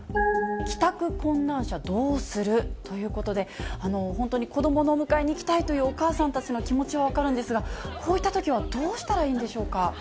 帰宅困難者どうする？ということで、本当に子どものお迎えに行きたいというお母さんたちの気持ちは分かるんですが、こういったときはどうしたらいいんでしょうか。